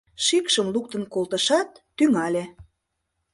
Шикшым луктын колтышат, тӱҥале: